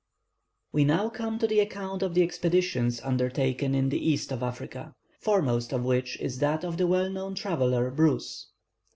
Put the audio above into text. We now come to the account of the expeditions undertaken in the east of Africa, foremost amongst which is that of the well known traveller Bruce.